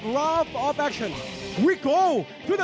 ก็จะไปกับที่สุดท้าย